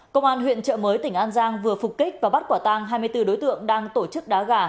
công an huyện trợ mới tỉnh an giang vừa phục kích và bắt quả tang hai mươi bốn đối tượng đang tổ chức đá gà